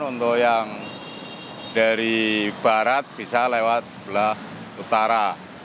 untuk yang dari barat bisa lewat sebelah utara